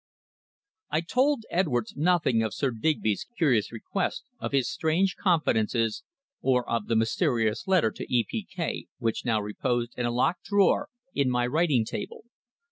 I told Edwards nothing of Sir Digby's curious request, of his strange confidences, or of the mysterious letter to "E. P. K.", which now reposed in a locked drawer in my writing table.